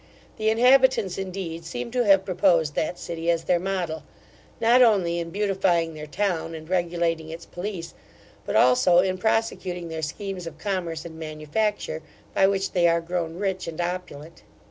The inhabitants, indeed, seem to have proposed that city as their model; not only in beautifying their town and regulating its police, but, also in prosecuting their schemes of commerce and manufacture, by which they are grown rich and opulent.